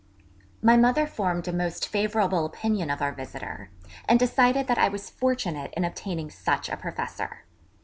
My mother formed a most favourable opinion of our visitor, and decided that I was fortunate in obtaining such a Professor.